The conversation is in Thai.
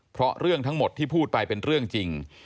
เพราะเรื่องทั้งหมดที่พูดไปเป็นเรื่องจริง